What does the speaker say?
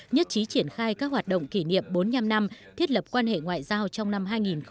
nhất trí triển khai các hoạt động kỷ niệm bốn mươi năm năm thiết lập quan hệ ngoại giao trong năm hai nghìn hai mươi